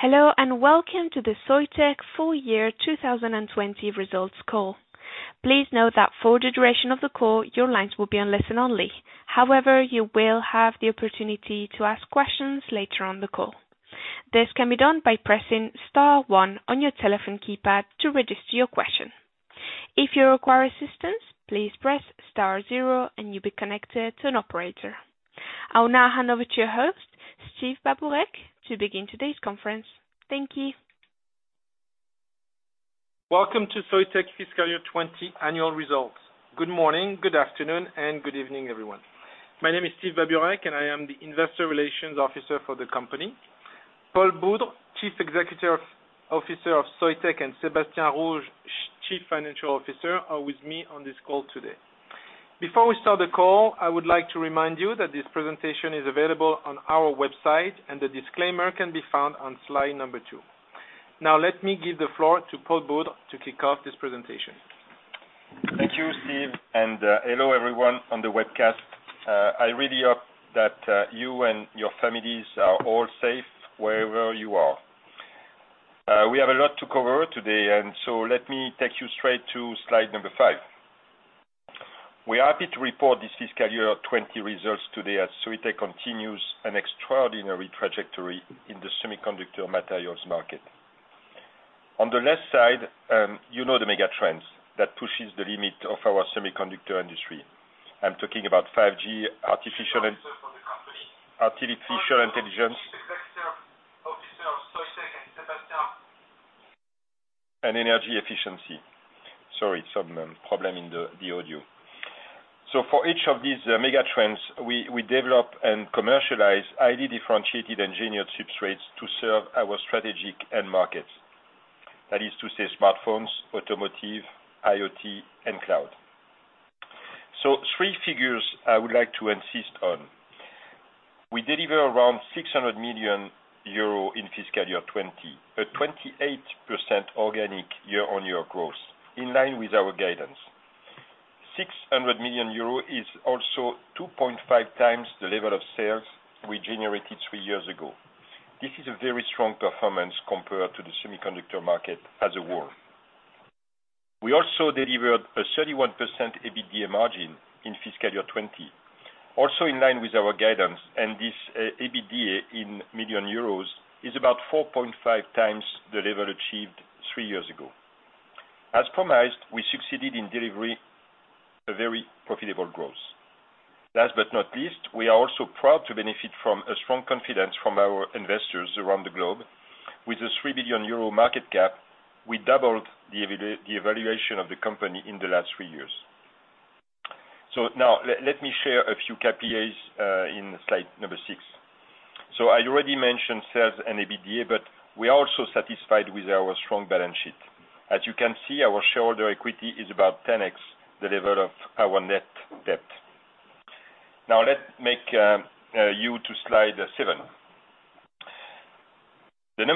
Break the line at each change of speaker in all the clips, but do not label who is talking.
Hello and welcome to the Soitec fiscal year 2020 Results Call. Please note that for the duration of the call, your lines will be on listen only. However, you will have the opportunity to ask questions later on the call. This can be done by pressing star one on your telephone keypad to register your question. If you require assistance, please press star zero and you'll be connected to an operator. I'll now hand over to your host, Steve Babureck, to begin today's conference. Thank you.
Welcome to Soitec Fiscal Year 2020 Annual Results. Good morning, good afternoon, and good evening, everyone. My name is Steve Babureck and I am the Investor Relations Officer for the company. Paul Boudre, Chief Executive Officer of Soitec, and Sébastien Rouge, Chief Financial Officer, are with me on this call today. Before we start the call, I would like to remind you that this presentation is available on our website and the disclaimer can be found on slide number two. Now, let me give the floor to Paul Boudre to kick off this presentation.
Thank you, Steve, and hello, everyone on the webcast. I really hope that you and your families are all safe wherever you are. We have a lot to cover today, and so let me take you straight to slide number five. We are happy to report this Fiscal Year 2020 results today as Soitec continues an extraordinary trajectory in the semiconductor materials market. On the left side, you know the mega trends that push the limit of our semiconductor industry. I'm talking about 5G, artificial intelligence. And energy efficiency. Sorry, some problem in the audio. So for each of these mega trends, we develop and commercialize highly differentiated engineered substrates to serve our strategic end markets. That is to say, smartphones, automotive, IoT, and cloud. So three figures I would like to insist on. We deliver around 600 million euro in Fiscal Year 2020, a 28% organic year-on-year growth in line with our guidance. 600 million euro is also 2.5 times the level of sales we generated three years ago. This is a very strong performance compared to the semiconductor market as a whole. We also delivered a 31% EBITDA margin in Fiscal Year 2020, also in line with our guidance, and this EBITDA in millions of EUR is about 4.5 times the level achieved three years ago. As promised, we succeeded in delivering a very profitable growth. Last but not least, we are also proud to benefit from strong confidence from our investors around the globe. With a 3 billion euro market cap, we doubled the valuation of the company in the last three years. Now, let me share a few KPIs in slide number six. I already mentioned sales and EBITDA, but we are also satisfied with our strong balance sheet. As you can see, our shareholder equity is about 10x the level of our net debt. Now, let me move you to slide seven. The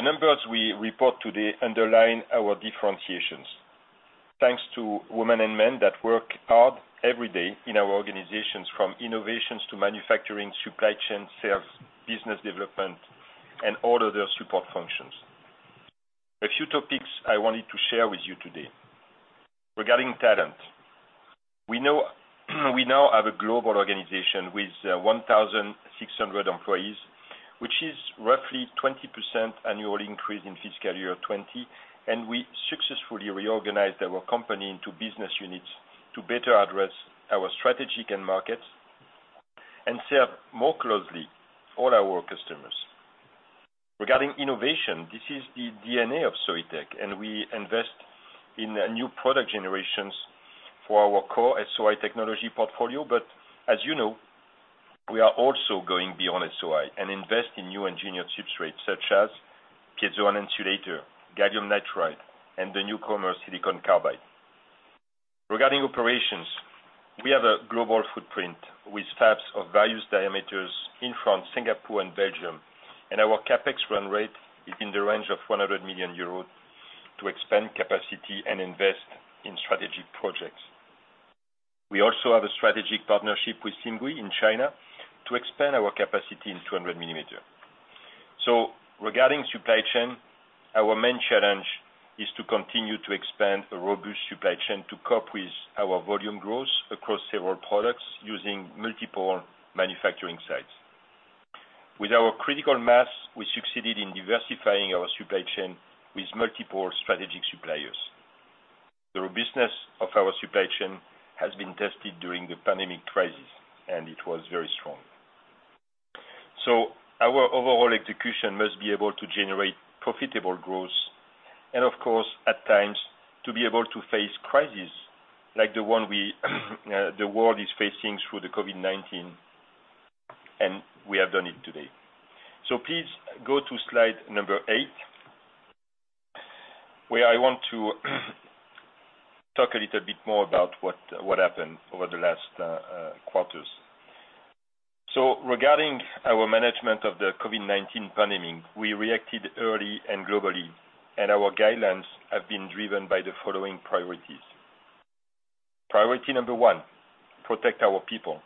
numbers we report today underline our differentiations. Thanks to women and men that work hard every day in our organizations, from innovations to manufacturing, supply chain, sales, business development, and all other support functions. A few topics I wanted to share with you today. Regarding talent, we now have a global organization with 1,600 employees, which is roughly a 20% annual increase in Fiscal Year 2020, and we successfully reorganized our company into business units to better address our strategic end markets and serve more closely all our customers. Regarding innovation, this is the DNA of Soitec, and we invest in new product generations for our core SOI technology portfolio, but as you know, we are also going beyond SOI and invest in new engineered substrates such as Piezo-on-Insulator, gallium nitride, and the new commercial silicon carbide. Regarding operations, we have a global footprint with fabs of various diameters in France, Singapore, and Belgium, and our CapEx run rate is in the range of 100 million euros to expand capacity and invest in strategic projects. We also have a strategic partnership with Simgui in China to expand our capacity in 200 mm. So regarding supply chain, our main challenge is to continue to expand a robust supply chain to cope with our volume growth across several products using multiple manufacturing sites. With our critical mass, we succeeded in diversifying our supply chain with multiple strategic suppliers. The robustness of our supply chain has been tested during the pandemic crisis, and it was very strong. So our overall execution must be able to generate profitable growth and, of course, at times, to be able to face crises like the one the world is facing through the COVID-19, and we have done it today. So please go to slide number eight, where I want to talk a little bit more about what happened over the last quarters. So regarding our management of the COVID-19 pandemic, we reacted early and globally, and our guidelines have been driven by the following priorities. Priority number one: protect our people.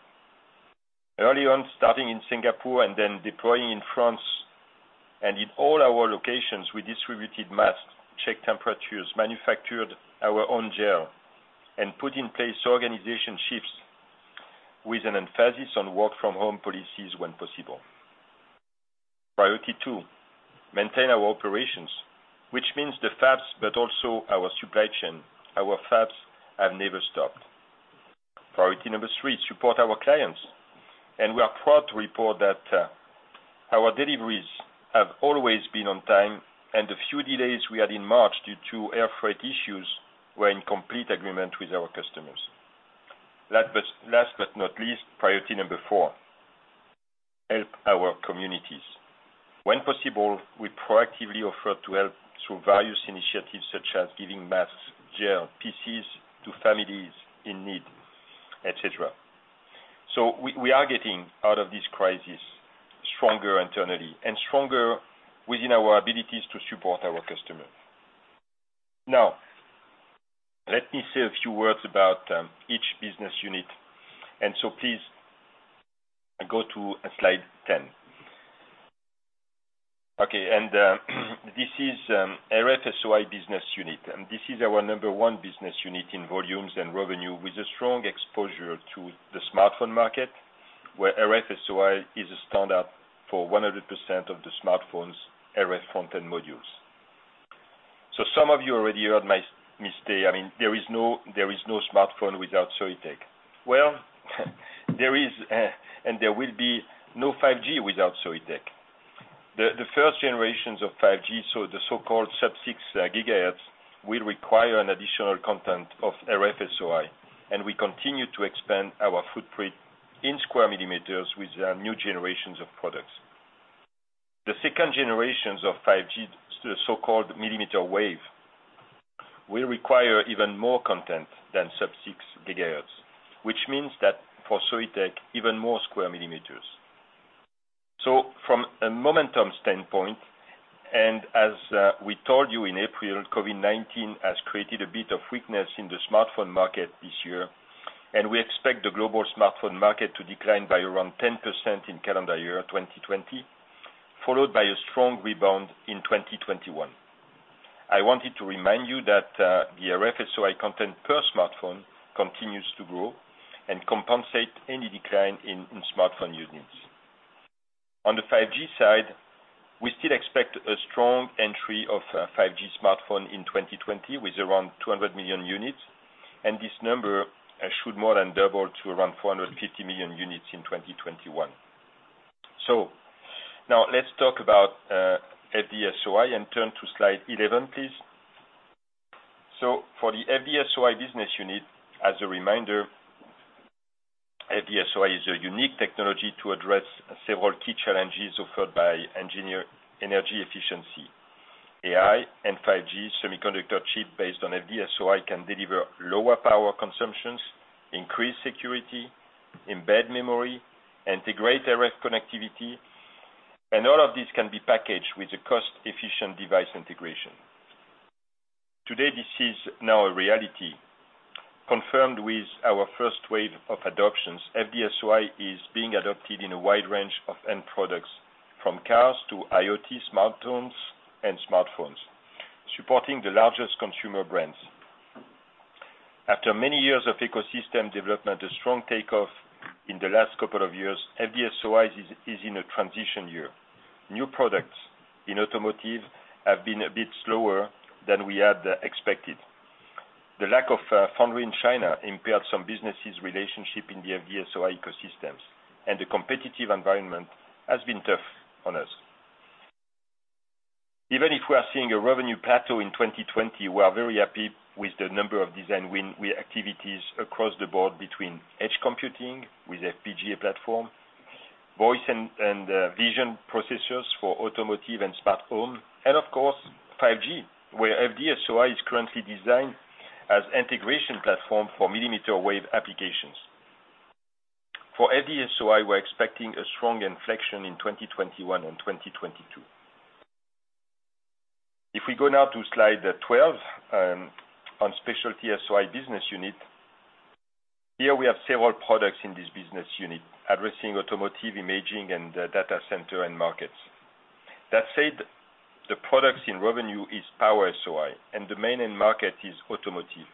Early on, starting in Singapore and then deploying in France and in all our locations, we distributed masks, checked temperatures, manufactured our own gel, and put in place organization shifts with an emphasis on work-from-home policies when possible. Priority two: maintain our operations, which means the fabs, but also our supply chain. Our fabs have never stopped. Priority number three: support our clients, and we are proud to report that our deliveries have always been on time, and the few delays we had in March due to air freight issues were in complete agreement with our customers. Last but not least, priority number four: help our communities. When possible, we proactively offered to help through various initiatives such as giving masks, gel, PPEs to families in need, etc. We are getting out of this crisis stronger internally and stronger within our abilities to support our customers. Now, let me say a few words about each business unit, and so please go to slide 10. Okay, and this is RF-SOI business unit. This is our number one business unit in volumes and revenue with a strong exposure to the smartphone market, where RF-SOI is a standard for 100% of the smartphones' RF front-end modules. So some of you already heard my mistake. I mean, there is no smartphone without Soitec. Well, there is, and there will be no 5G without Soitec. The first generations of 5G, so the so-called sub-6 GHz, will require an additional content of RF-SOI, and we continue to expand our footprint in square millimeters with new generations of products. The second generations of 5G, the so-called millimeter wave, will require even more content than sub-6 GHz, which means that for Soitec, even more square millimeters. So from a momentum standpoint, and as we told you in April, COVID-19 has created a bit of weakness in the smartphone market this year, and we expect the global smartphone market to decline by around 10% in calendar year 2020, followed by a strong rebound in 2021. I wanted to remind you that the RF-SOI content per smartphone continues to grow and compensate any decline in smartphone units. On the 5G side, we still expect a strong entry of 5G smartphone in 2020 with around 200 million units, and this number should more than double to around 450 million units in 2021. So now, let's talk about FD-SOI and turn to slide 11, please. So for the FD-SOI business unit, as a reminder, FD-SOI is a unique technology to address several key challenges offered by energy efficiency. AI and 5G semiconductor chip based on FD-SOI can deliver lower power consumptions, increase security, embed memory, integrate RF connectivity, and all of these can be packaged with a cost-efficient device integration. Today, this is now a reality. Confirmed with our first wave of adoptions, FD-SOI is being adopted in a wide range of end products, from cars to IoT smart homes and smartphones, supporting the largest consumer brands. After many years of ecosystem development, a strong takeoff in the last couple of years, FD-SOI is in a transition year. New products in automotive have been a bit slower than we had expected. The lack of funding in China impaired some businesses' relationship in the FD-SOI ecosystems, and the competitive environment has been tough on us. Even if we are seeing a revenue plateau in 2020, we are very happy with the number of design activities across the board between edge computing with FPGA platform, voice and vision processors for automotive and smart home, and of course, 5G, where FD-SOI is currently designed as an integration platform for millimeter wave applications. For FD-SOI, we're expecting a strong inflection in 2021 and 2022. If we go now to slide 12 on specialty SOI business unit, here we have several products in this business unit addressing automotive, imaging, and data center and markets. That said, the products in revenue is Power-SOI, and the main end market is automotive.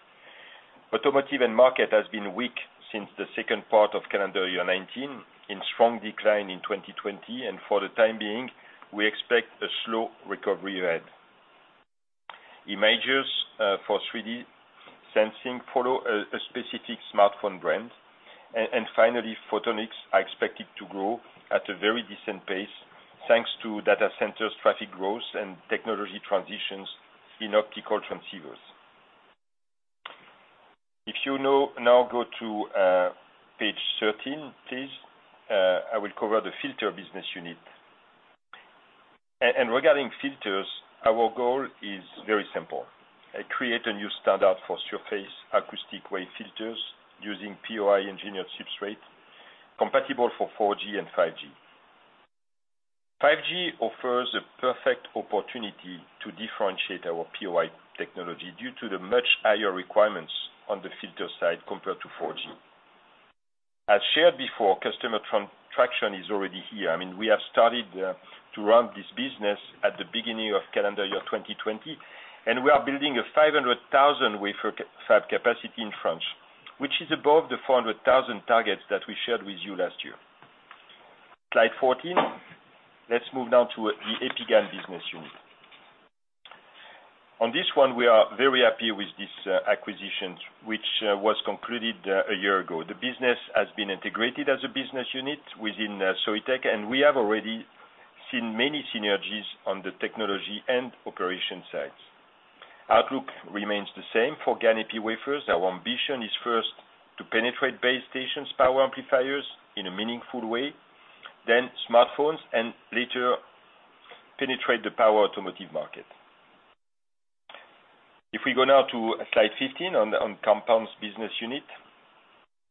Automotive end market has been weak since the second part of calendar year 2019, in strong decline in 2020, and for the time being, we expect a slow recovery ahead. Imagers for 3D sensing follow a specific smartphone brand, and finally, photonics are expected to grow at a very decent pace thanks to data centers' traffic growth and technology transitions in optical transceivers. If you now go to page 13, please. I will cover the filter business unit. Regarding filters, our goal is very simple. We create a new standard for surface acoustic wave filters using POI engineered substrates compatible for 4G and 5G. 5G offers a perfect opportunity to differentiate our POI technology due to the much higher requirements on the filter side compared to 4G. As shared before, customer traction is already here. I mean, we have started to run this business at the beginning of calendar year 2020, and we are building a 500,000 wafer fab capacity in France, which is above the 400,000 targets that we shared with you last year. Slide 14. Let's move now to the EpiGaN business unit. On this one, we are very happy with this acquisition, which was concluded a year ago. The business has been integrated as a business unit within Soitec, and we have already seen many synergies on the technology and operation sides. Outlook remains the same for EpiGaN wafers. Our ambition is first to penetrate base stations, power amplifiers in a meaningful way, then smartphones, and later penetrate the power automotive market. If we go now to slide 15 on compounds business unit,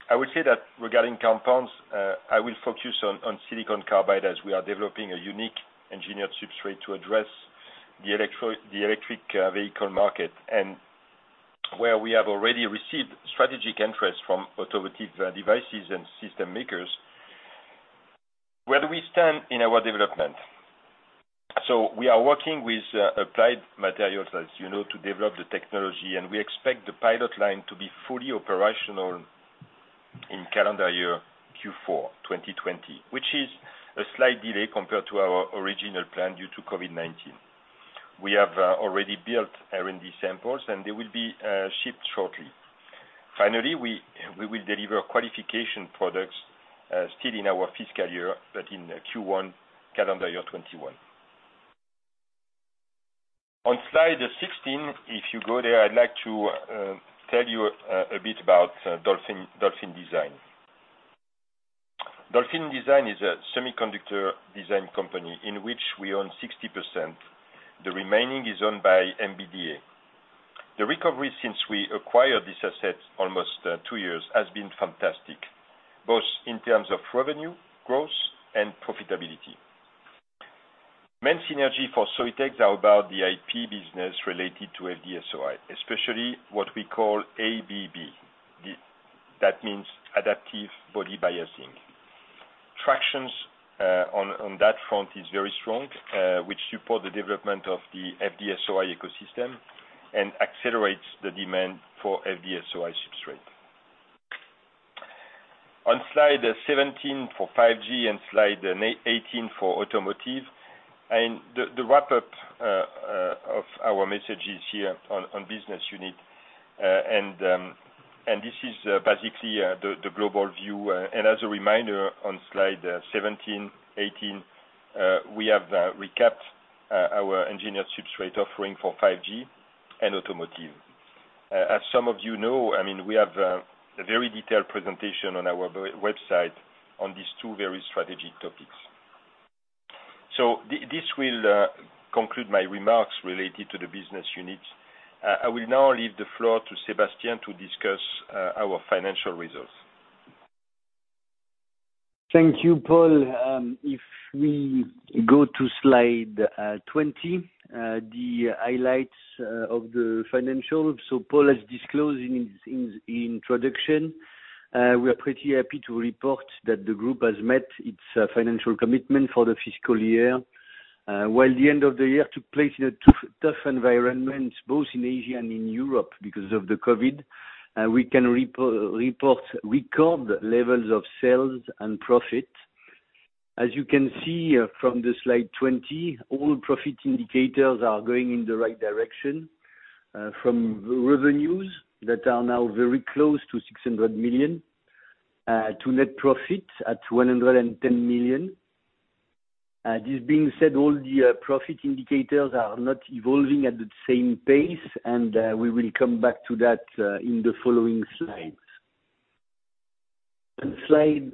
I would say that regarding compounds, I will focus on silicon carbide as we are developing a unique engineered substrate to address the electric vehicle market and where we have already received strategic interest from automotive devices and system makers. Where do we stand in our development? So we are working with Applied Materials, as you know, to develop the technology, and we expect the pilot line to be fully operational in calendar year Q4 2020, which is a slight delay compared to our original plan due to COVID-19. We have already built R&D samples, and they will be shipped shortly. Finally, we will deliver qualification products still in our fiscal year, but in Q1 calendar year 2021. On slide 16, if you go there, I'd like to tell you a bit about Dolphin Design. Dolphin Design is a semiconductor design company in which we own 60%. The remaining is owned by MBDA. The recovery since we acquired this asset almost two years has been fantastic, both in terms of revenue, growth, and profitability. Main synergy for Soitec is about the IP business related to FD-SOI, especially what we call ABB. That means adaptive body biasing. Traction on that front is very strong, which supports the development of the FD-SOI ecosystem and accelerates the demand for FD-SOI substrate. On slide 17 for 5G and slide 18 for automotive, the wrap-up of our message is here on business unit, and this is basically the global view. And as a reminder, on slide 17, 18, we have recapped our engineered substrate offering for 5G and automotive. As some of you know, I mean, we have a very detailed presentation on our website on these two very strategic topics. So this will conclude my remarks related to the business unit. I will now leave the floor to Sébastien to discuss our financial results.
Thank you, Paul. If we go to slide 20, the highlights of the financials. So Paul has disclosed in his introduction, we are pretty happy to report that the group has met its financial commitment for the fiscal year. While the end of the year took place in a tough environment, both in Asia and in Europe because of the COVID, we can record levels of sales and profit. As you can see from the slide 20, all profit indicators are going in the right direction from revenues that are now very close to 600 million to net profit at 110 million. This being said, all the profit indicators are not evolving at the same pace, and we will come back to that in the following slides. On slide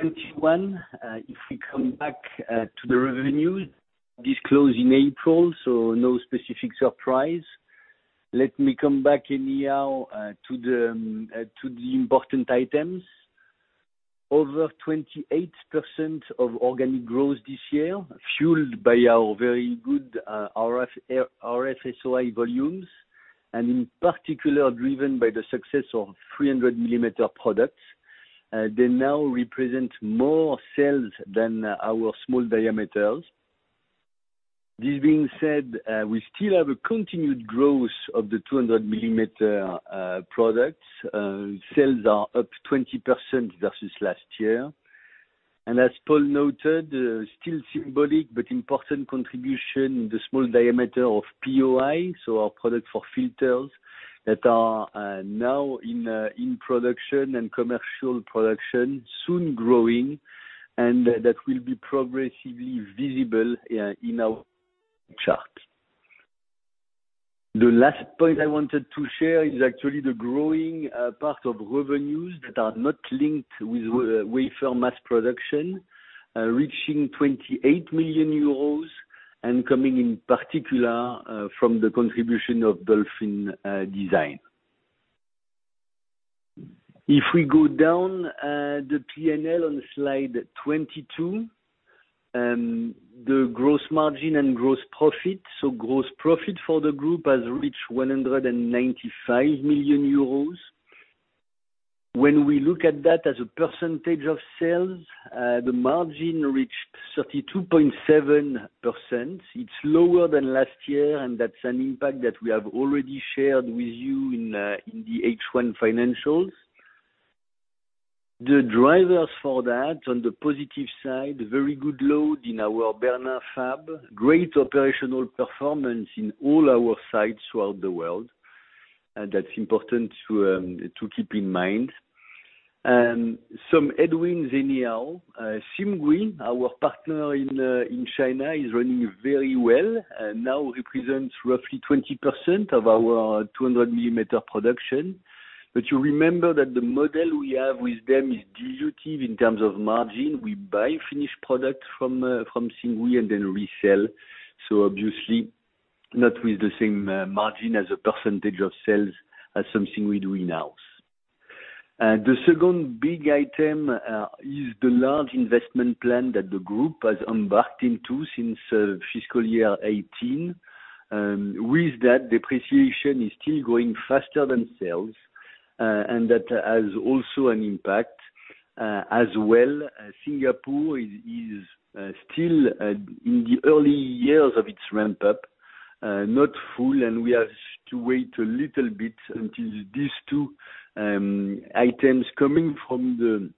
21, if we come back to the revenues, disclosed in April, so no specific surprise. Let me come back in here to the important items. Over 28% of organic growth this year, fueled by our very good RF-SOI volumes, and in particular, driven by the success of 300 mm products. They now represent more sales than our small diameters. This being said, we still have a continued growth of the 200-millimeter products. Sales are up 20% versus last year, and as Paul noted, still symbolic but important contribution in the small diameter of POI, so our product for filters that are now in production and commercial production, soon growing, and that will be progressively visible in our chart. The last point I wanted to share is actually the growing part of revenues that are not linked with wafer mass production, reaching 28 million euros and coming in particular from the contribution of Dolphin Design. If we go down the P&L on slide 22, the gross margin and gross profit, so gross profit for the group has reached 195 million euros. When we look at that as a percentage of sales, the margin reached 32.7%. It's lower than last year, and that's an impact that we have already shared with you in the H1 financials. The drivers for that, on the positive side, very good load in our Bernin Fab, great operational performance in all our sites throughout the world. That's important to keep in mind. Some headwinds in here. Simgui, our partner in China, is running very well and now represents roughly 20% of our 200 mm production. But you remember that the model we have with them is dilutive in terms of margin. We buy finished products from Simgui and then resell. So obviously, not with the same margin as a percentage of sales as something we do in-house. The second big item is the large investment plan that the group has embarked into since fiscal year 2018. With that, depreciation is still going faster than sales, and that has also an impact. As well, Singapore is still in the early years of its ramp-up, not full, and we have to wait a little bit until these two items coming from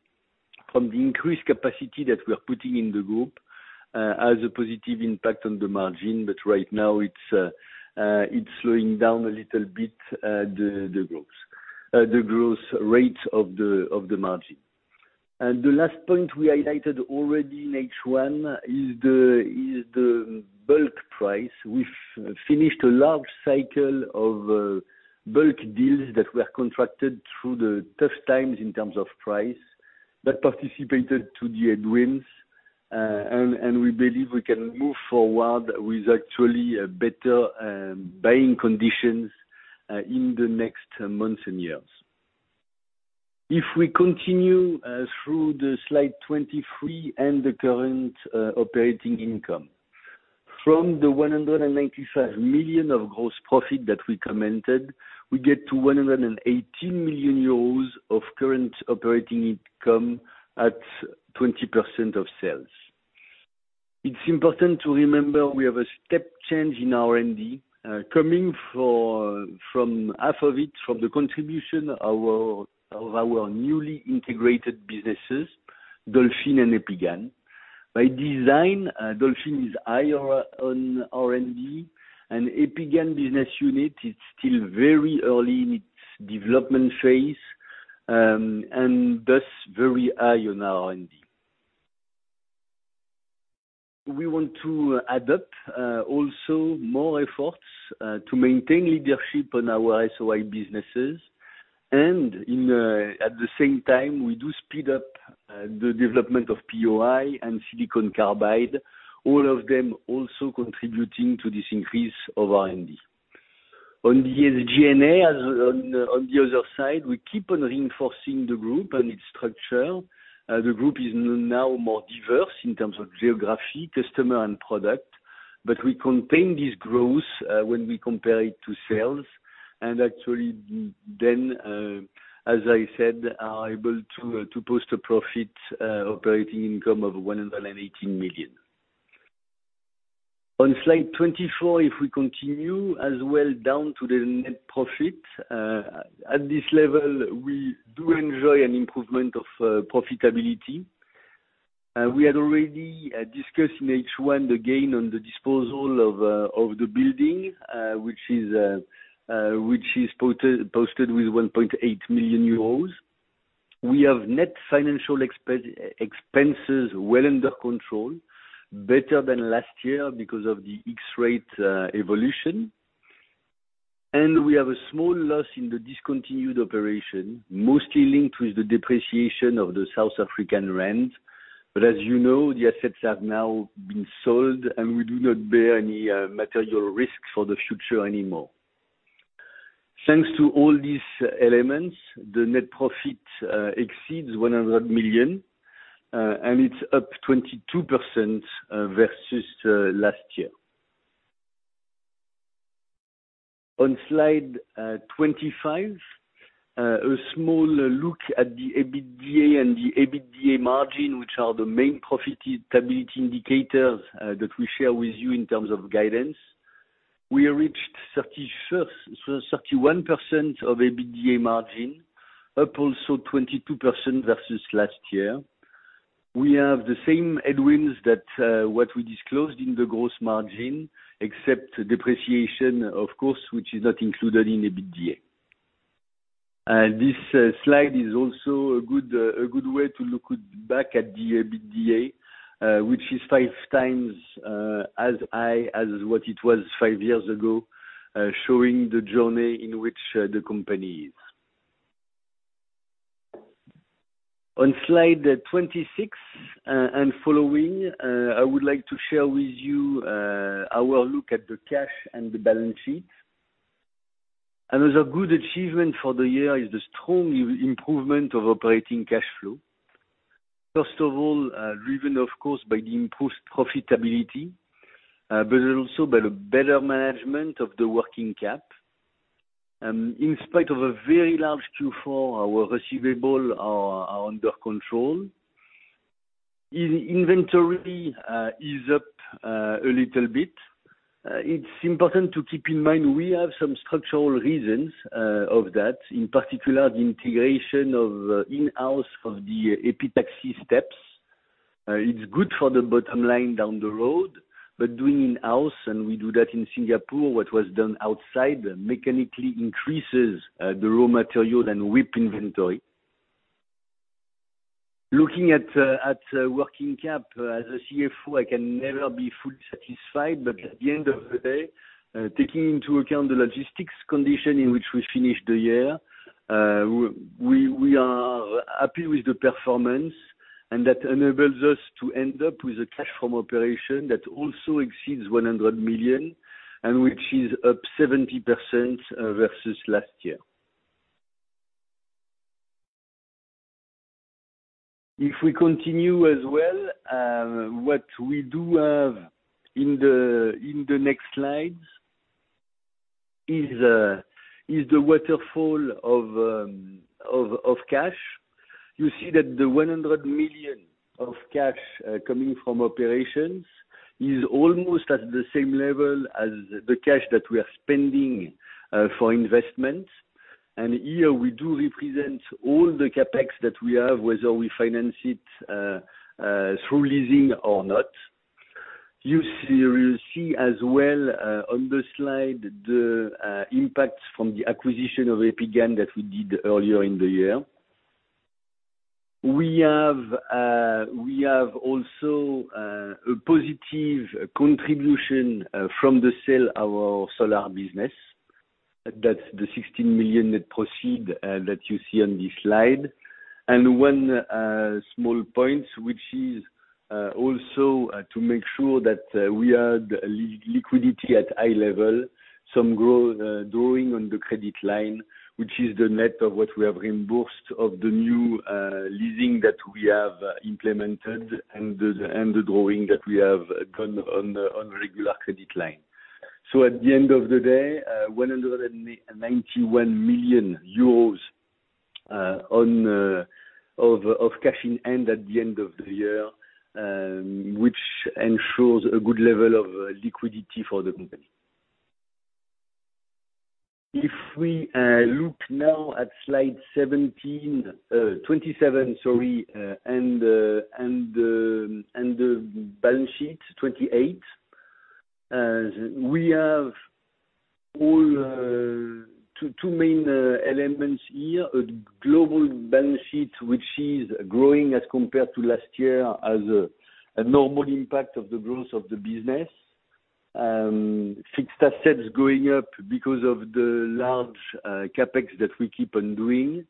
the increased capacity that we are putting in the group has a positive impact on the margin, but right now, it's slowing down a little bit the growth rate of the margin. And the last point we highlighted already in H1 is the bulk price. We've finished a large cycle of bulk deals that were contracted through the tough times in terms of price that participated to the headwinds, and we believe we can move forward with actually better buying conditions in the next months and years. If we continue through the slide 23 and the current operating income, from the 195 million of gross profit that we commented, we get to 118 million euros of current operating income at 20% of sales. It's important to remember we have a step change in R&D coming from half of it from the contribution of our newly integrated businesses, Dolphin and EpiGaN. By design, Dolphin is higher on R&D, and EpiGaN business unit is still very early in its development phase and thus very high on R&D. We want to adopt also more efforts to maintain leadership on our SOI businesses, and at the same time, we do speed up the development of POI and silicon carbide, all of them also contributing to this increase of R&D. On the SG&A, on the other side, we keep on reinforcing the group and its structure. The group is now more diverse in terms of geography, customer, and product, but we contain this growth when we compare it to sales, and actually, then, as I said, are able to post a profit operating income of 118 million. On slide 24, if we continue as well down to the net profit, at this level, we do enjoy an improvement of profitability. We had already discussed in H1 the gain on the disposal of the building, which is posted with 1.8 million euros. We have net financial expenses well under control, better than last year because of the X-rate evolution, and we have a small loss in the discontinued operation, mostly linked with the depreciation of the South African plant. But as you know, the assets have now been sold, and we do not bear any material risk for the future anymore. Thanks to all these elements, the net profit exceeds 100 million, and it's up 22% versus last year. On slide 25, a small look at the EBITDA and the EBITDA margin, which are the main profitability indicators that we share with you in terms of guidance. We reached 31% of EBITDA margin, up also 22% versus last year. We have the same headwinds that what we disclosed in the gross margin, except depreciation, of course, which is not included in EBITDA. This slide is also a good way to look back at the EBITDA, which is five times as high as what it was five years ago, showing the journey in which the company is. On slide 26 and following, I would like to share with you our look at the cash and the balance sheet. Another good achievement for the year is the strong improvement of operating cash flow. First of all, driven, of course, by the improved profitability, but also by the better management of the working cap. In spite of a very large Q4, our receivables are under control. Inventory is up a little bit. It's important to keep in mind we have some structural reasons for that, in particular, the integration in-house of the epitaxy steps. It's good for the bottom line down the road, but doing in-house, and we do that in Singapore, what was done outside mechanically increases the raw material and WIP inventory. Looking at working cap, as a CFO, I can never be fully satisfied, but at the end of the day, taking into account the logistics condition in which we finished the year, we are happy with the performance, and that enables us to end up with a cash flow operation that also exceeds 100 million and which is up 70% versus last year. If we continue as well, what we do have in the next slides is the waterfall of cash. You see that the 100 million of cash coming from operations is almost at the same level as the cash that we are spending for investments. Here, we do represent all the CapEx that we have, whether we finance it through leasing or not. You see as well on this slide the impact from the acquisition of EpiGaN that we did earlier in the year. We have also a positive contribution from the sale of our solar business. That's the 16 million net profit that you see on this slide. One small point, which is also to make sure that we had liquidity at a high level, some drawing on the credit line, which is the net of what we have reimbursed of the new leasing that we have implemented and the drawing that we have done on regular credit line. At the end of the day, 191 million euros of cash in hand at the end of the year, which ensures a good level of liquidity for the company. If we look now at slide 27, sorry, and the balance sheet 28, we have two main elements here. A global balance sheet, which is growing as compared to last year as a normal impact of the growth of the business. Fixed assets going up because of the large CapEx that we keep on doing.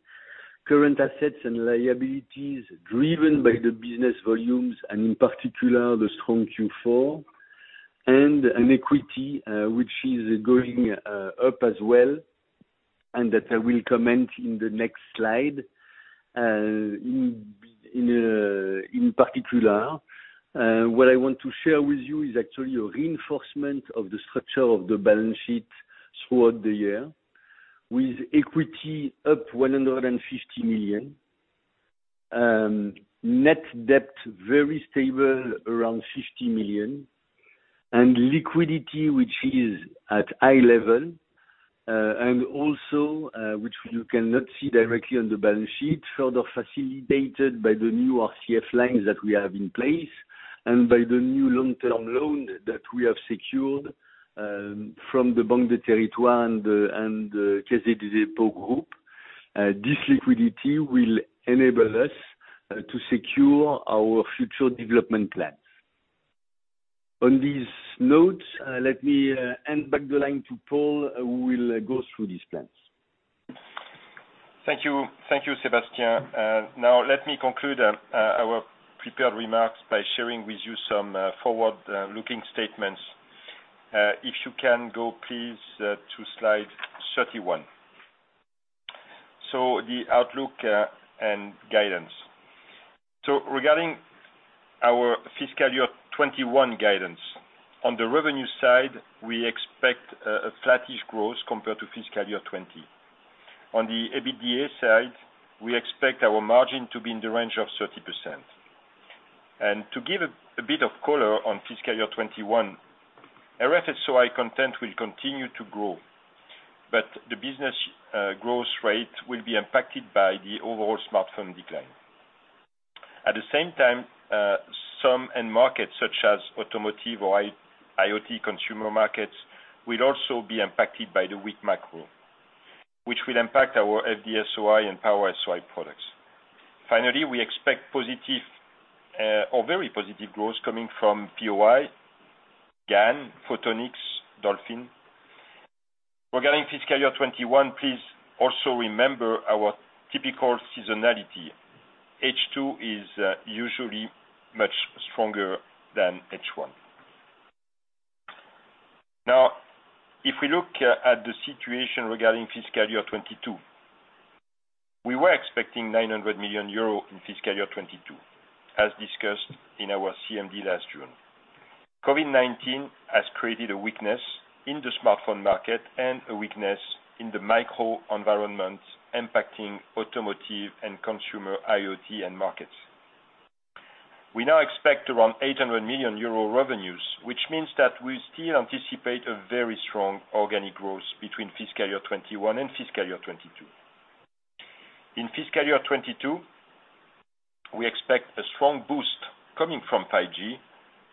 Current assets and liabilities driven by the business volumes and in particular, the strong Q4. And an equity, which is going up as well, and that I will comment in the next slide. In particular, what I want to share with you is actually a reinforcement of the structure of the balance sheet throughout the year, with equity up 150 million, net debt very stable around 50 million, and liquidity, which is at high level, and also which you cannot see directly on the balance sheet, further facilitated by the new RCF lines that we have in place and by the new long-term loan that we have secured from the Banque des Territoires and the Caisse des Dépôts group. This liquidity will enable us to secure our future development plans. On these notes, let me hand back the line to Paul, who will go through these plans.
Thank you, Sébastien. Now, let me conclude our prepared remarks by sharing with you some forward-looking statements. If you can go, please, to slide 31. So the outlook and guidance. Regarding our fiscal year 2021 guidance, on the revenue side, we expect a flattish growth compared to fiscal year 2020. On the EBITDA side, we expect our margin to be in the range of 30%. To give a bit of color on fiscal year 2021, RF-SOI content will continue to grow, but the business growth rate will be impacted by the overall smartphone decline. At the same time, some end markets such as automotive or IoT consumer markets will also be impacted by the weak macro, which will impact our FD-SOI and Power-SOI products. Finally, we expect positive or very positive growth coming from POI, GaN, Photonics, Dolphin. Regarding fiscal year 2021, please also remember our typical seasonality. H2 is usually much stronger than H1. Now, if we look at the situation regarding fiscal year 2022, we were expecting 900 million euro in fiscal year 2022, as discussed in our CMD last June. COVID-19 has created a weakness in the smartphone market and a weakness in the macro environment impacting automotive and consumer IoT end markets. We now expect around 800 million euro revenues, which means that we still anticipate a very strong organic growth between fiscal year 2021 and fiscal year 2022. In fiscal year 2022, we expect a strong boost coming from 5G,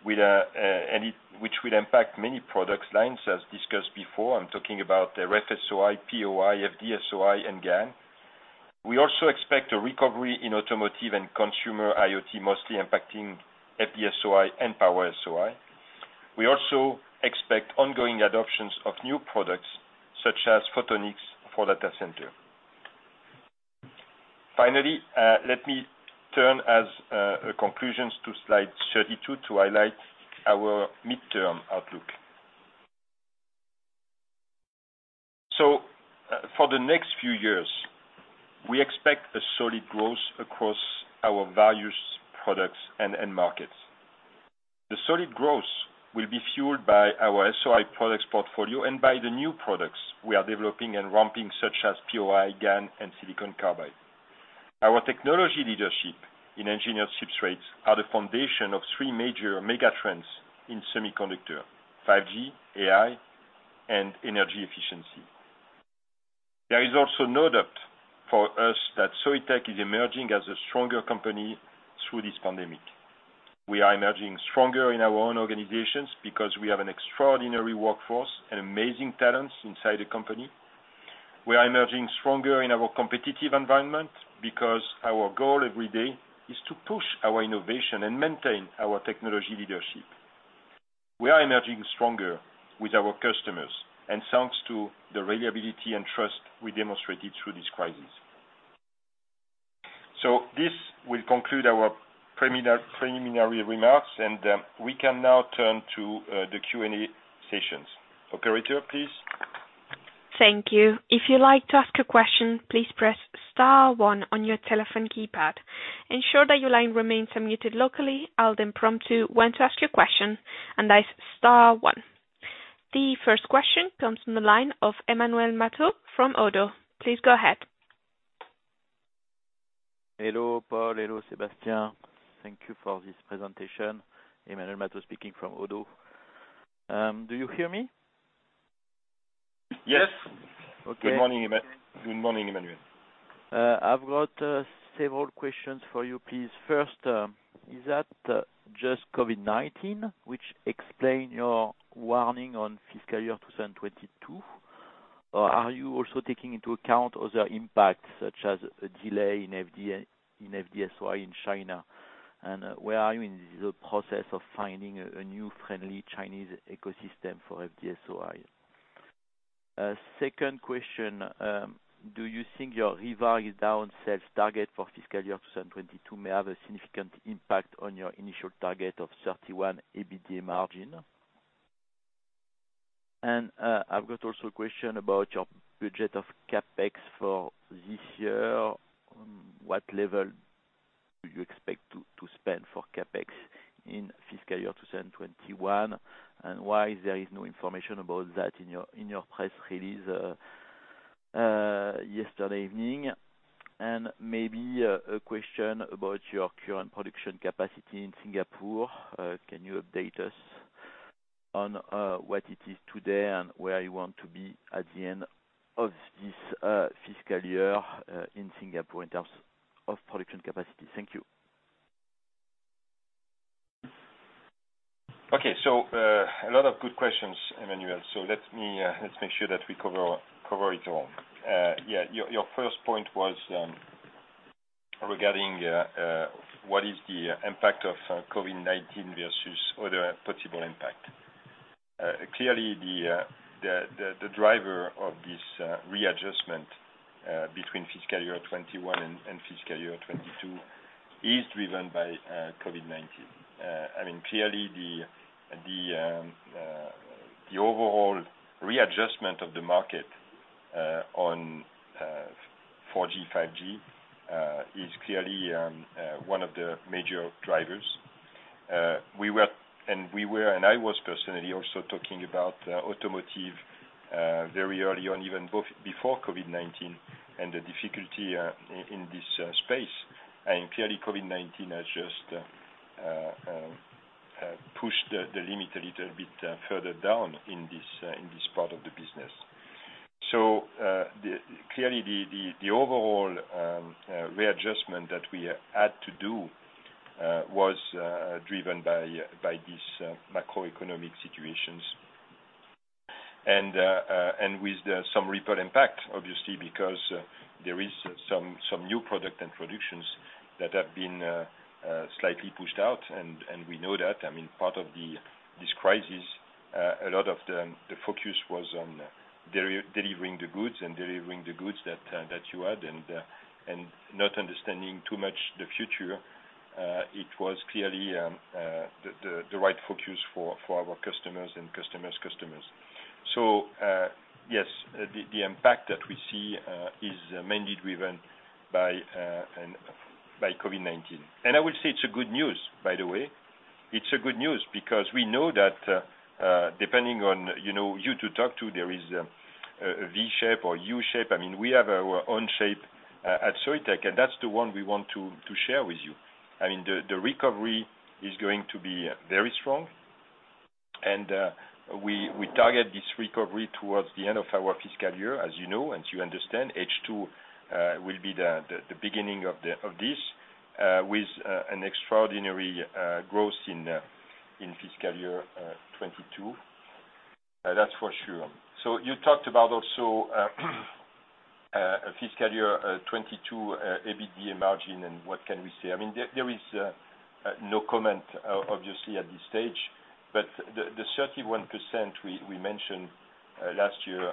which will impact many product lines, as discussed before. I'm talking about RF-SOI, POI, FD-SOI, and GaN. We also expect a recovery in automotive and consumer IoT, mostly impacting FD-SOI and Power-SOI. We also expect ongoing adoptions of new products such as Photonics for data center. Finally, let me turn to conclusions to slide 32 to highlight our mid-term outlook. So for the next few years, we expect a solid growth across our values, products, and end markets. The solid growth will be fueled by our SOI products portfolio and by the new products we are developing and ramping, such as POI, GaN, and silicon carbide. Our technology leadership in engineered substrates are the foundation of three major mega trends in semiconductor: 5G, AI, and energy efficiency. There is also no doubt for us that Soitec is emerging as a stronger company through this pandemic. We are emerging stronger in our own organizations because we have an extraordinary workforce and amazing talents inside the company. We are emerging stronger in our competitive environment because our goal every day is to push our innovation and maintain our technology leadership. We are emerging stronger with our customers, and thanks to the reliability and trust we demonstrated through this crisis. This will conclude our preliminary remarks, and we can now turn to the Q&A sessions. Operator, please.
Thank you. If you'd like to ask a question, please press Star 1 on your telephone keypad. Ensure that your line remains unmuted locally. I'll then prompt you when to ask your question, and that is Star 1. The first question comes from the line of Emmanuel Matot from ODDO BHF. Please go ahead.
Hello, Paul. Hello, Sébastien. Thank you for this presentation. Emmanuel Matot speaking from ODDO BHF. Do you hear me?
Yes.
Okay.
Good morning, Emmanuel.
I've got several questions for you, please. First, is that just COVID-19 which explained your warning on fiscal year 2022? Or are you also taking into account other impacts such as a delay in FD-SOI in China? And where are you in the process of finding a new friendly Chinese ecosystem for FD-SOI? Second question, do you think your revised downside target for fiscal year 2022 may have a significant impact on your initial target of 31% EBITDA margin? And I've got also a question about your budget of CapEx for this year. What level do you expect to spend for CapEx in fiscal year 2021? And why is there no information about that in your press release yesterday evening? And maybe a question about your current production capacity in Singapore. Can you update us on what it is today and where you want to be at the end of this fiscal year in Singapore in terms of production capacity? Thank you.
Okay, so a lot of good questions, Emmanuel. So let's make sure that we cover it all. Yeah. Your first point was regarding what is the impact of COVID-19 versus other possible impact. Clearly, the driver of this readjustment between fiscal year 2021 and fiscal year 2022 is driven by COVID-19. I mean, clearly, the overall readjustment of the market on 4G, 5G is clearly one of the major drivers. And we were, and I was personally also talking about automotive very early on, even before COVID-19, and the difficulty in this space. And clearly, COVID-19 has just pushed the limit a little bit further down in this part of the business. So clearly, the overall readjustment that we had to do was driven by these macroeconomic situations and with some ripple impact, obviously, because there is some new product introductions that have been slightly pushed out. And we know that. I mean, part of this crisis, a lot of the focus was on delivering the goods and delivering the goods that you had and not understanding too much the future. It was clearly the right focus for our customers and customers' customers. So yes, the impact that we see is mainly driven by COVID-19. And I will say it's good news, by the way. It's good news because we know that depending on you to talk to, there is a V-shape or U-shape. I mean, we have our own shape at Soitec, and that's the one we want to share with you. I mean, the recovery is going to be very strong, and we target this recovery towards the end of our fiscal year, as you know, as you understand. H2 will be the beginning of this with an extraordinary growth in fiscal year 2022. That's for sure. So you talked about also fiscal year 2022 EBITDA margin and what can we say. I mean, there is no comment, obviously, at this stage, but the 31% we mentioned last year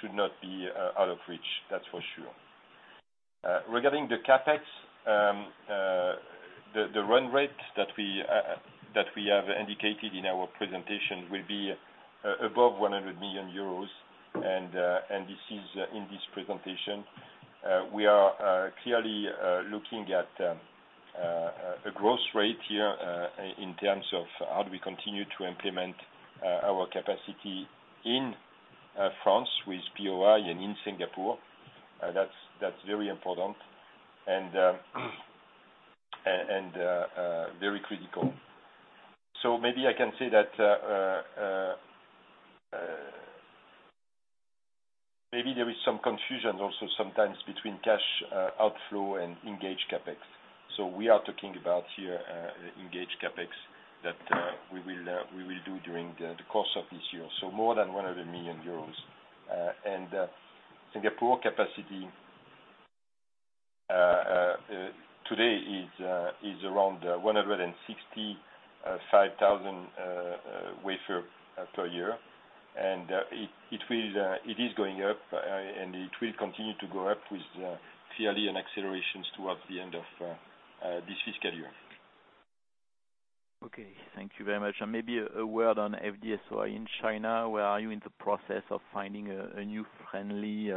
should not be out of reach. That's for sure. Regarding the CapEx, the run rate that we have indicated in our presentation will be 100 million euros, and this is in this presentation. We are clearly looking at a growth rate here in terms of how do we continue to implement our capacity in France with POI and in Singapore. That's very important and very critical. So maybe I can say that maybe there is some confusion also sometimes between cash outflow and engaged CapEx. So we are talking about here engaged CapEx that we will do during the course of this year, so more than 100 million euros. Singapore capacity today is around 165,000 wafers per year, and it is going up, and it will continue to go up with clearly an acceleration towards the end of this fiscal year. Okay. Thank you very much. Maybe a word on FD-SOI in China. Where are you in the process of finding a new friendly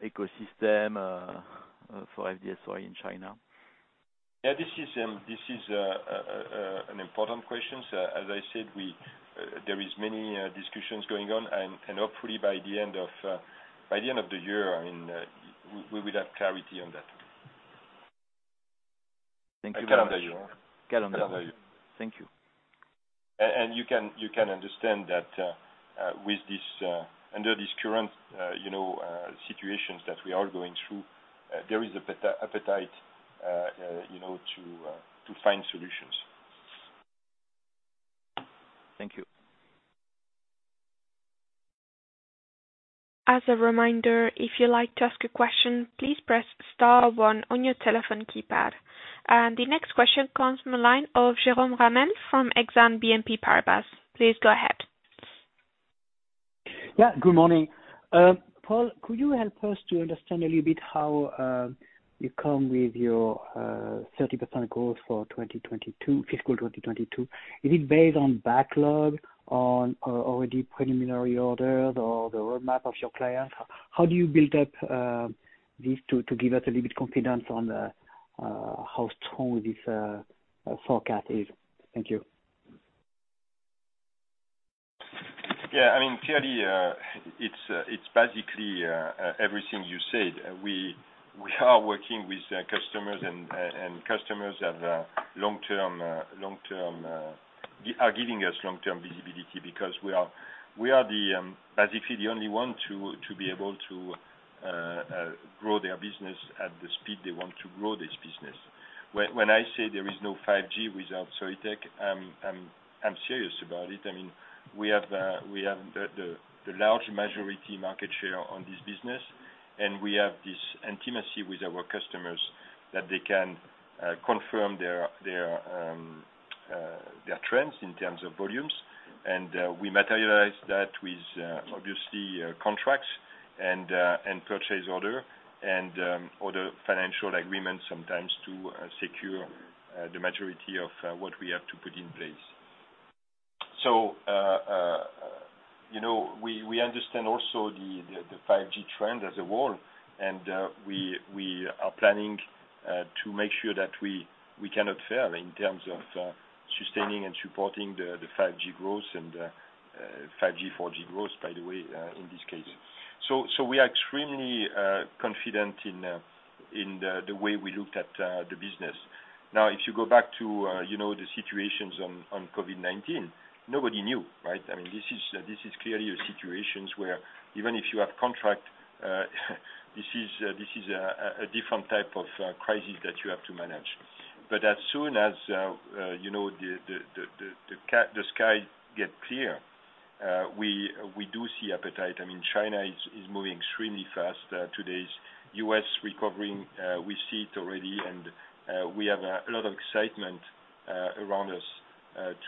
ecosystem for FD-SOI in China? Yeah. This is an important question. So as I said, there are many discussions going on, and hopefully, by the end of the year, I mean, we will have clarity on that.
Thank you very much. Thank you.
You can understand that under these current situations that we are going through, there is an appetite to find solutions.
Thank you.
As a reminder, if you'd like to ask a question, please press Star 1 on your telephone keypad. And the next question comes from the line of Jerome Ramel from Exane BNP Paribas. Please go ahead.
Yeah. Good morning. Paul, could you help us to understand a little bit how you come with your 30% growth for fiscal 2022? Is it based on backlog, on already preliminary orders, or the roadmap of your clients? How do you build up this to give us a little bit of confidence on how strong this forecast is? Thank you.
Yeah. I mean, clearly, it's basically everything you said. We are working with customers, and customers are giving us long-term visibility because we are basically the only ones to be able to grow their business at the speed they want to grow this business. When I say there is no 5G without Soitec, I'm serious about it. I mean, we have the large majority market share on this business, and we have this intimacy with our customers that they can confirm their trends in terms of volumes, and we materialize that with, obviously, contracts and purchase orders and other financial agreements sometimes to secure the majority of what we have to put in place. So we understand also the 5G trend as a whole, and we are planning to make sure that we cannot fail in terms of sustaining and supporting the 5G growth and 5G, 4G growth, by the way, in this case. So we are extremely confident in the way we looked at the business. Now, if you go back to the situations on COVID-19, nobody knew, right? I mean, this is clearly a situation where, even if you have contract, this is a different type of crisis that you have to manage. But as soon as the sky gets clear, we do see appetite. I mean, China is moving extremely fast. Today's U.S. recovering, we see it already, and we have a lot of excitement around us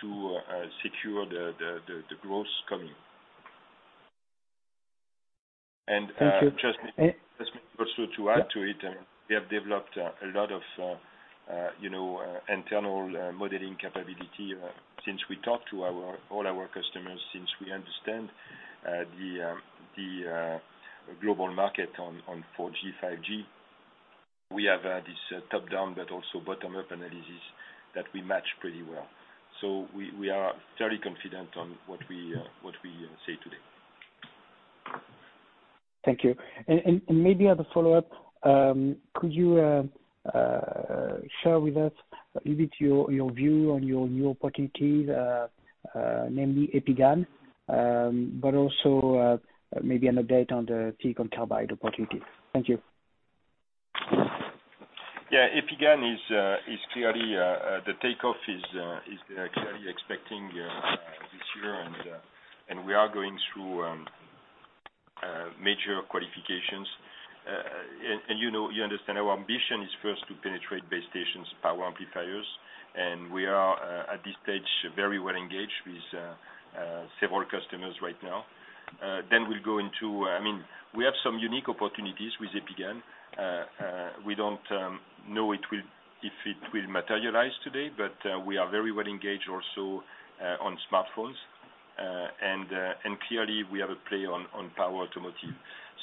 to secure the growth coming. And just maybe also to add to it, we have developed a lot of internal modeling capability since we talked to all our customers, since we understand the global market on 4G, 5G. We have this top-down but also bottom-up analysis that we match pretty well. So we are fairly confident on what we say today.
Thank you. And maybe as a follow-up, could you share with us a little bit your view on your new opportunities, namely EpiGaN, but also maybe an update on the silicon carbide opportunity? Thank you.
Yeah. EpiGaN is clearly the takeoff expecting this year, and we are going through major qualifications. You understand our ambition is first to penetrate base stations, power amplifiers, and we are, at this stage, very well engaged with several customers right now. Then we'll go into I mean, we have some unique opportunities with EpiGaN. We don't know if it will materialize today, but we are very well engaged also on smartphones, and clearly, we have a play on power automotive.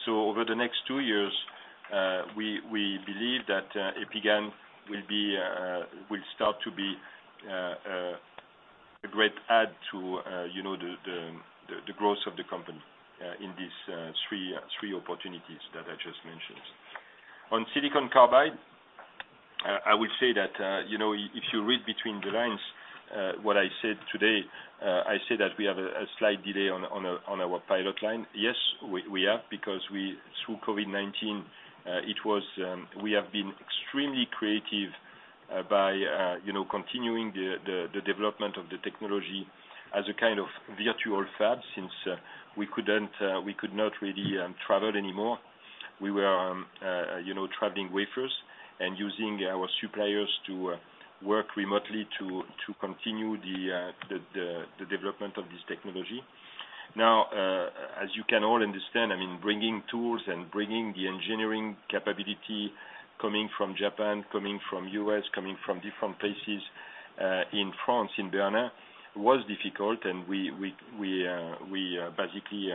So over the next two years, we believe that EpiGaN will start to be a great add to the growth of the company in these three opportunities that I just mentioned. On silicon carbide, I will say that if you read between the lines what I said today, I said that we have a slight delay on our pilot line. Yes, we have because through COVID-19, we have been extremely creative by continuing the development of the technology as a kind of virtual fab since we could not really travel anymore. We were traveling wafers and using our suppliers to work remotely to continue the development of this technology. Now, as you can all understand, I mean, bringing tools and bringing the engineering capability coming from Japan, coming from the U.S., coming from different places in France, in Bernin, was difficult, and we basically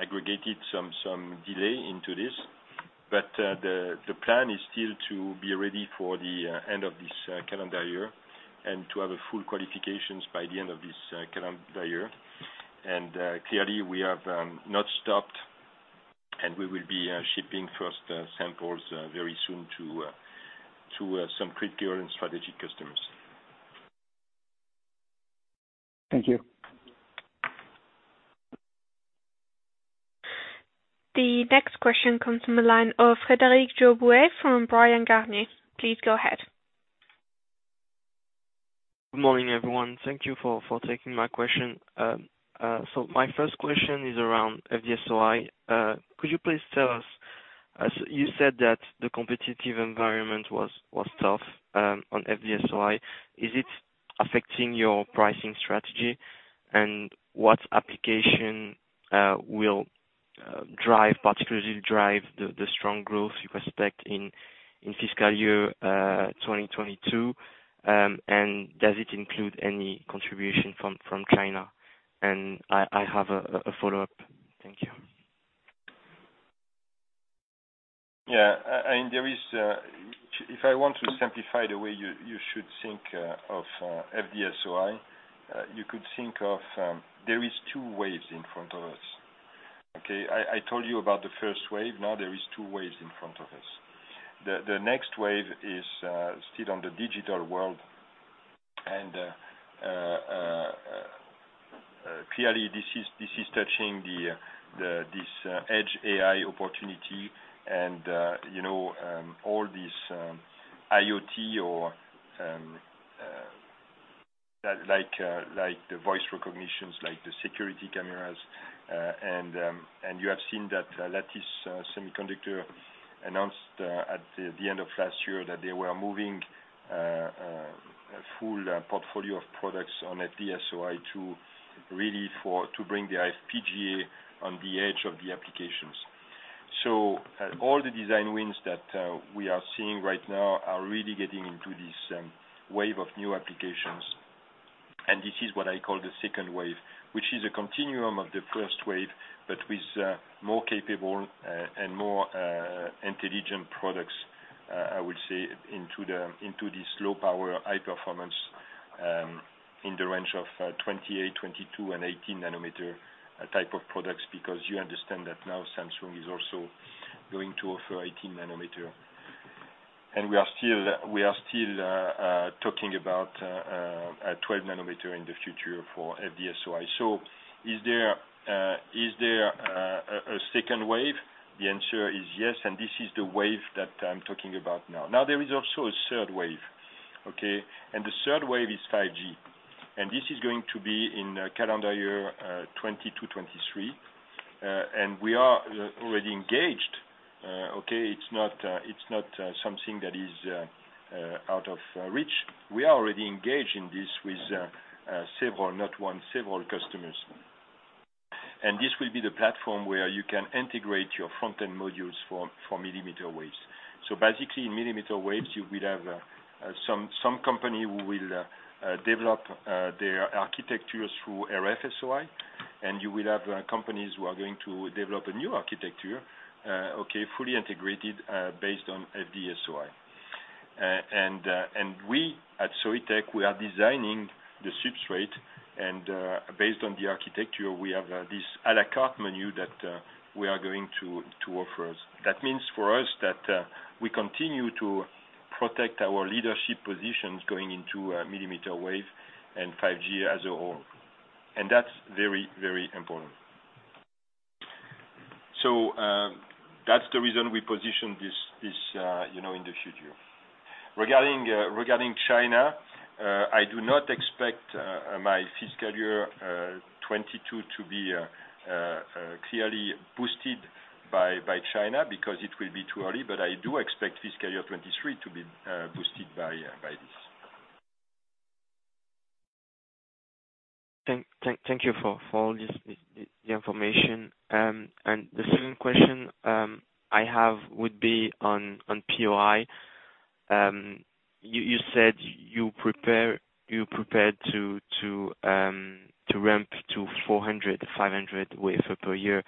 aggregated some delay into this. But the plan is still to be ready for the end of this calendar year and to have full qualifications by the end of this calendar year. And clearly, we have not stopped, and we will be shipping first samples very soon to some critical and strategic customers.
Thank you.
The next question comes from the line of Frédéric Yoboué from Bryan, Garnier & Co. Please go ahead.
Good morning, everyone. Thank you for taking my question. So my first question is around FD-SOI. Could you please tell us you said that the competitive environment was tough on FD-SOI. Is it affecting your pricing strategy, and what application will particularly drive the strong growth you expect in fiscal year 2022? And does it include any contribution from China? And I have a follow-up. Thank you.
Yeah. I mean, if I want to simplify the way you should think of FD-SOI, you could think of there are two waves in front of us. Okay? I told you about the first wave. Now, there are two waves in front of us. The next wave is still on the digital world, and clearly, this is touching this edge AI opportunity and all this IoT or like the voice recognitions, like the security cameras. And you have seen that Lattice Semiconductor announced at the end of last year that they were moving a full portfolio of products on FD-SOI to really bring the FPGA on the edge of the applications. So all the design wins that we are seeing right now are really getting into this wave of new applications, and this is what I call the second wave, which is a continuum of the first wave, but with more capable and more intelligent products, I will say, into this low-power high-performance in the range of 28-, 22-, and 18-nanometer type of products because you understand that now Samsung is also going to offer 18-nanometer. We are still talking about 12-nanometer in the future for FD-SOI. Is there a second wave? The answer is yes, and this is the wave that I'm talking about now. Now, there is also a third wave, okay? The third wave is 5G, and this is going to be in calendar year 2022, 2023, and we are already engaged. Okay? It's not something that is out of reach. We are already engaged in this with several, not one, several customers. This will be the platform where you can integrate your front-end modules for millimeter waves. Basically, in millimeter waves, you will have some company who will develop their architecture through RF-SOI, and you will have companies who are going to develop a new architecture, okay, fully integrated based on FD-SOI. And we, at Soitec, we are designing the substrate, and based on the architecture, we have this à la carte menu that we are going to offer us. That means for us that we continue to protect our leadership positions going into millimeter wave and 5G as a whole. And that's very, very important. So that's the reason we position this in the future. Regarding China, I do not expect my fiscal year 2022 to be clearly boosted by China because it will be too early, but I do expect fiscal year 2023 to be boosted by this.
Thank you for all the information. And the second question I have would be on POI. You said you prepared to ramp to 400-500 wafer per year,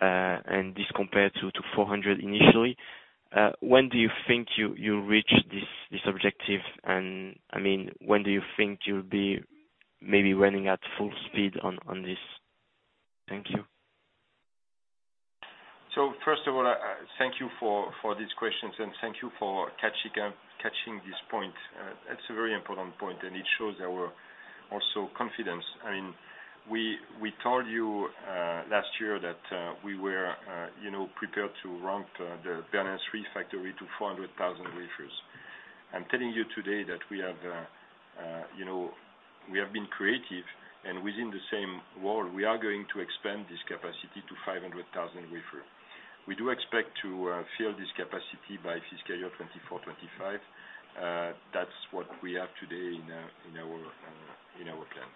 and this compared to 400 initially. When do you think you'll reach this objective? I mean, when do you think you'll be maybe running at full speed on this? Thank you.
First of all, thank you for these questions, and thank you for catching this point. That's a very important point, and it shows our also confidence. I mean, we told you last year that we were prepared to ramp the Bernin factory to 400,000 wafers. I'm telling you today that we have been creative, and within the same wall, we are going to expand this capacity to 500,000 wafers. We do expect to fill this capacity by fiscal year 2024, 2025. That's what we have today in our plan.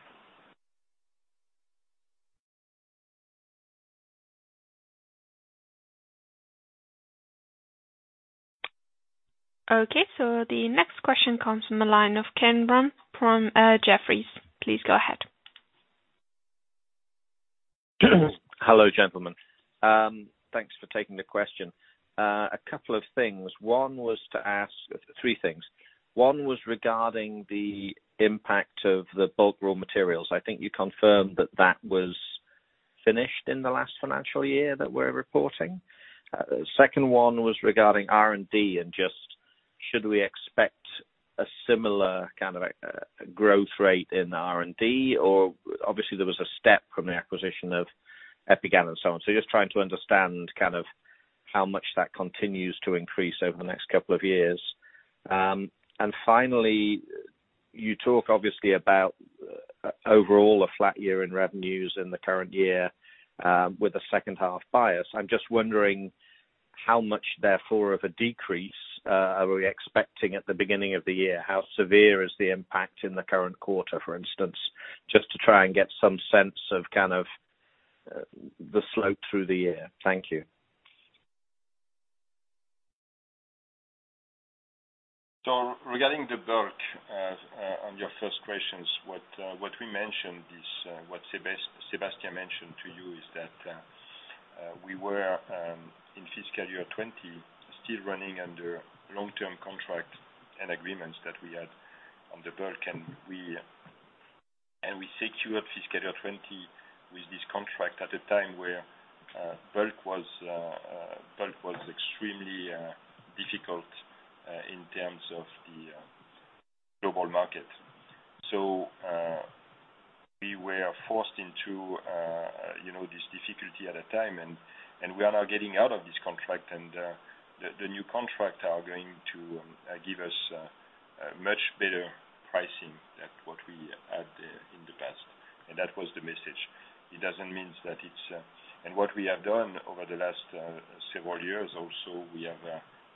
Okay. The next question comes from the line of Ken Rumph from Jefferies. Please go ahead.
Hello, gentlemen. Thanks for taking the question. A couple of things. One was to ask three things. One was regarding the impact of the bulk raw materials. I think you confirmed that that was finished in the last financial year that we're reporting. Second one was regarding R&D, and just should we expect a similar kind of growth rate in R&D? Or obviously, there was a step from the acquisition of EpiGaN and so on. So just trying to understand kind of how much that continues to increase over the next couple of years. And finally, you talk obviously about overall a flat year in revenues in the current year with a second-half bias. I'm just wondering how much therefore of a decrease are we expecting at the beginning of the year? How severe is the impact in the current quarter, for instance, just to try and get some sense of kind of the slope through the year? Thank you.
Regarding the bulk on your first questions, what we mentioned, what Sébastien mentioned to you is that we were in fiscal year 2020 still running under long-term contracts and agreements that we had on the bulk, and we secured fiscal year 2020 with this contract at a time where bulk was extremely difficult in terms of the global market. We were forced into this difficulty at a time, and we are now getting out of this contract, and the new contract is going to give us much better pricing than what we had in the past. That was the message. It doesn't mean that it's, and what we have done over the last several years also, we have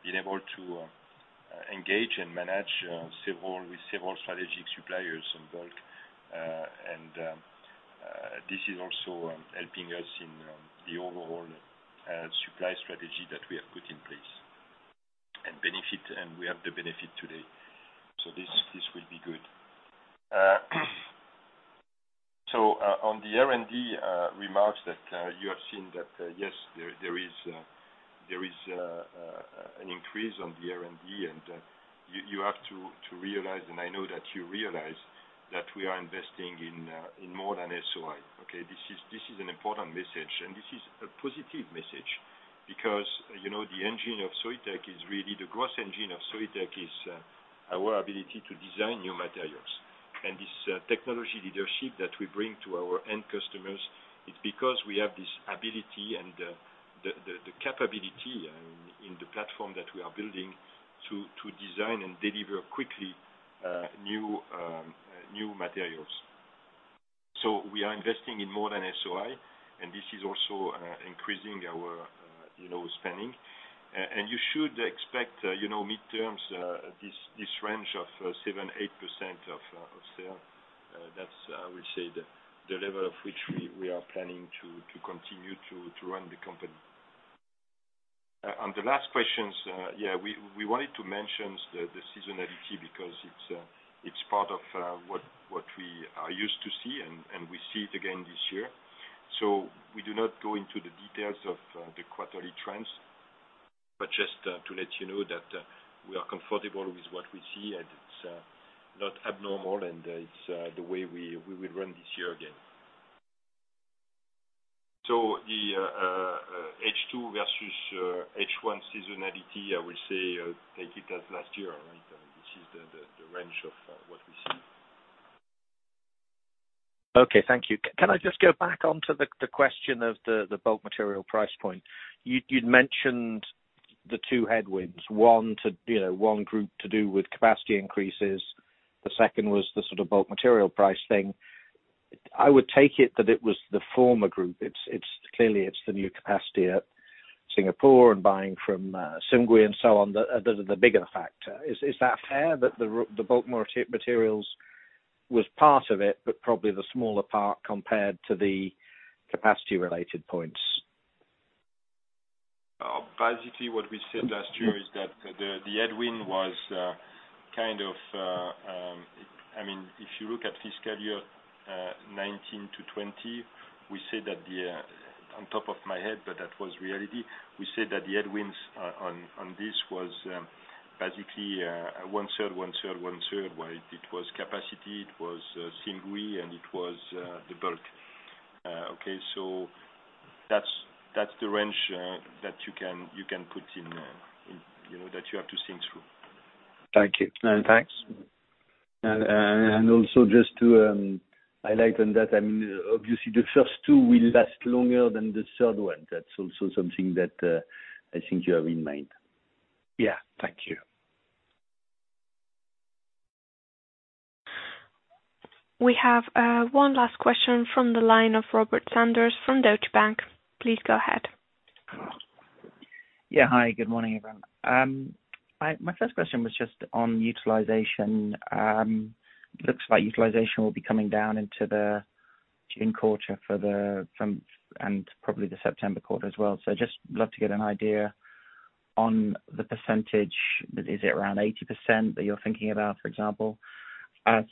been able to engage and manage with several strategic suppliers on bulk, and this is also helping us in the overall supply strategy that we have put in place and benefit, and we have the benefit today. So this will be good. On the R&D remarks that you have seen, that yes, there is an increase on the R&D, and you have to realize, and I know that you realize that we are investing in more than SOI. Okay? This is an important message, and this is a positive message because the engine of Soitec is really the growth engine of Soitec is our ability to design new materials. And this technology leadership that we bring to our end customers, it's because we have this ability and the capability in the platform that we are building to design and deliver quickly new materials. So we are investing in more than SOI, and this is also increasing our spending. And you should expect midterms this range of 7%-8% of sales. That's, I will say, the level of which we are planning to continue to run the company. On the last questions, yeah, we wanted to mention the seasonality because it's part of what we are used to see, and we see it again this year. So we do not go into the details of the quarterly trends, but just to let you know that we are comfortable with what we see, and it's not abnormal, and it's the way we will run this year again. So the H2 versus H1 seasonality, I will say, take it as last year, right? This is the range of what we see. Okay. Thank you. Can I just go back onto the question of the bulk material price point? You'd mentioned the two headwinds. One group to do with capacity increases. The second was the sort of bulk material price thing. I would take it that it was the former group. Clearly, it's the new capacity at Singapore and buying from Simgui and so on that are the bigger factor. Is that fair that the bulk material was part of it, but probably the smaller part compared to the capacity-related points? Basically, what we said last year is that the headwind was kind of, I mean, if you look at fiscal year 2019 to 2020, we said that off the top of my head, but that was reality. We said that the headwinds on this was basically one-third, one-third, one-third, right? It was capacity, it was Simgui, and it was the bulk. Okay? So that's the range that you can put in that you have to think through. Thank you.
Thanks.
And also just to highlight on that, I mean, obviously, the first two will last longer than the third one. That's also something that I think you have in mind.
Yeah. Thank you.
We have one last question from the line of Robert Sanders from Deutsche Bank. Please go ahead.
Yeah. Hi. Good morning, everyone. My first question was just on utilization. It looks like utilization will be coming down into the June quarter and probably the September quarter as well. So I'd just love to get an idea on the percentage. Is it around 80% that you're thinking about, for example?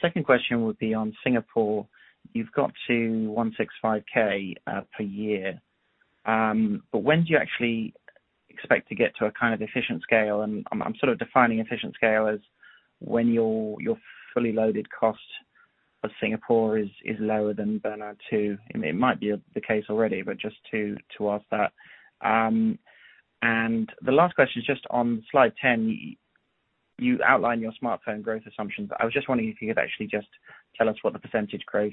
Second question would be on Singapore. You've got to 165K per year, but when do you actually expect to get to a kind of efficient scale? And I'm sort of defining efficient scale as when your fully loaded cost of Singapore is lower than Bernin. It might be the case already, but just to ask that. And the last question is just on slide 10. You outline your smartphone growth assumptions. I was just wondering if you could actually just tell us what the percentage growth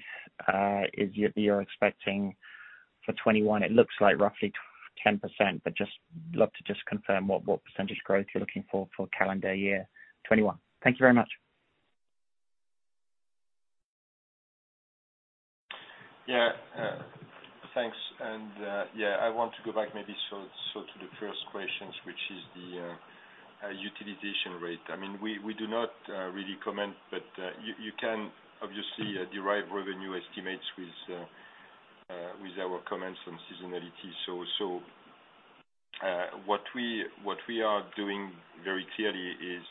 is that you're expecting for 2021. It looks like roughly 10%, but just love to just confirm what percentage growth you're looking for for calendar year 2021. Thank you very much.
Yeah. Thanks. And yeah, I want to go back maybe sort of to the first questions, which is the utilization rate. I mean, we do not really comment, but you can obviously derive revenue estimates with our comments on seasonality. So what we are doing very clearly is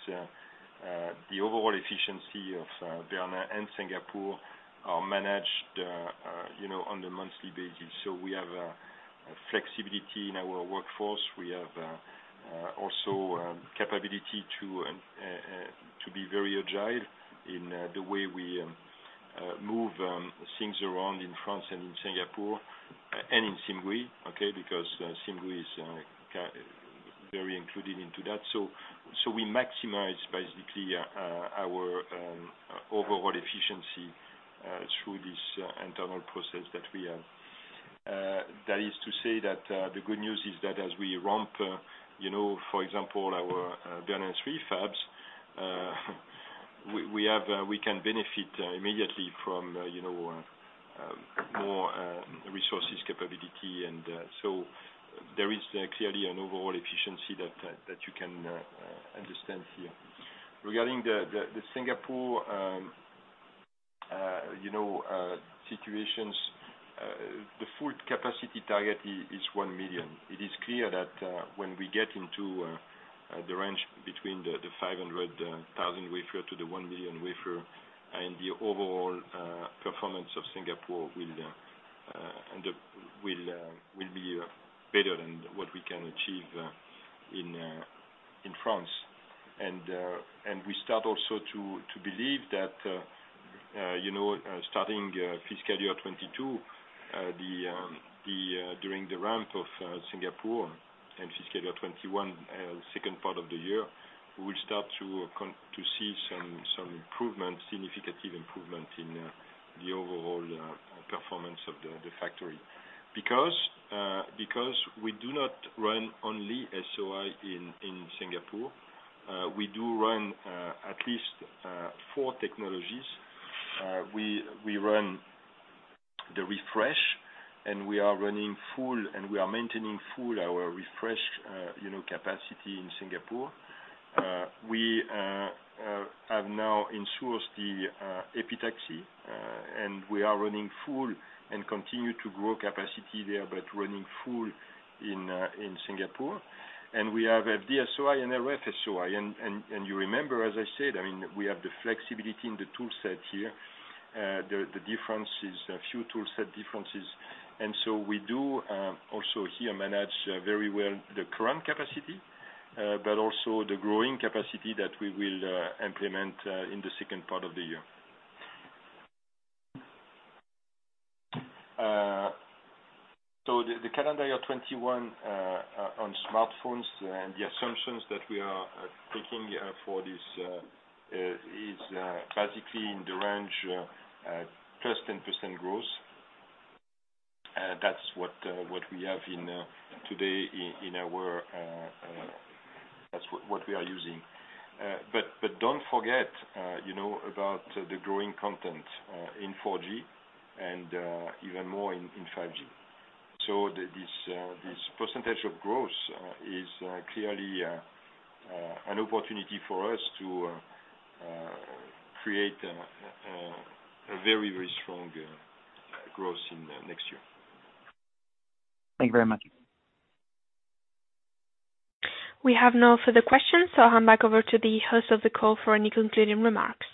the overall efficiency of Bernin and Singapore are managed on a monthly basis. So we have flexibility in our workforce. We have also capability to be very agile in the way we move things around in France and in Singapore and in Simgui, okay, because Simgui is very included into that. So we maximize basically our overall efficiency through this internal process that we have. That is to say that the good news is that as we ramp, for example, our Bernin fabs, we can benefit immediately from more resources capability. And so there is clearly an overall efficiency that you can understand here. Regarding the Singapore situations, the full capacity target is 1 million. It is clear that when we get into the range between the 500,000-wafer to the 1 million-wafer, and the overall performance of Singapore will be better than what we can achieve in France. We start also to believe that starting fiscal year 2022, during the ramp of Singapore and fiscal year 2021, second part of the year, we will start to see some significant improvement in the overall performance of the factory. Because we do not run only SOI in Singapore, we do run at least four technologies. We run the refresh, and we are running full, and we are maintaining full our refresh capacity in Singapore. We have now insourced the epitaxy, and we are running full and continue to grow capacity there, but running full in Singapore. We have FD-SOI and RF-SOI. You remember, as I said, I mean, we have the flexibility in the toolset here. The difference is a few toolset differences. We do also here manage very well the current capacity, but also the growing capacity that we will implement in the second part of the year. The calendar year 2021 on smartphones and the assumptions that we are taking for this is basically in the range plus 10% growth. That's what we have today in our model. That's what we are using. Don't forget about the growing content in 4G and even more in 5G. This percentage of growth is clearly an opportunity for us to create a very, very strong growth next year.
Thank you very much.
We have no further questions, so I'll hand back over to the host of the call for any concluding remarks.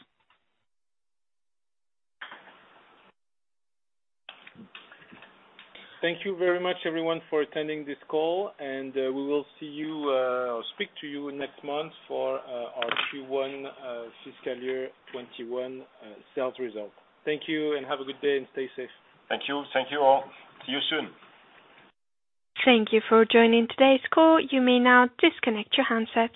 Thank you very much, everyone, for attending this call, and we will see you or speak to you next month for our Q1 fiscal year 2021 sales result. Thank you, and have a good day and stay safe.
Thank you. Thank you all. See you soon.
Thank you for joining today's call. You may now disconnect your handset.